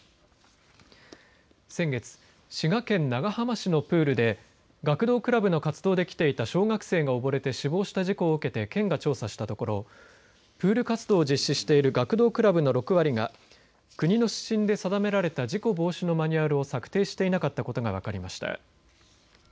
先月、滋賀県長浜市のプールで学童クラブの活動で来ていた小学生が溺れて死亡した事故を受けて県が調査したところプール活動を実施している学童クラブの６割が国の指針で定められた事故防止のマニュアルを策定していなかったことが分かりました。